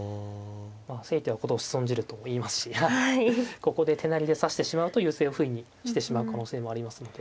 「急いては事を仕損じる」といいますしここで手なりで指してしまうと優勢をふいにしてしまう可能性もありますので。